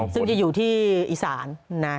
ซึ่งจะอยู่ที่อีสานนะ